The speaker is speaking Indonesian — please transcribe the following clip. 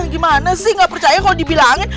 gimana sih nggak percaya kalau dibilangin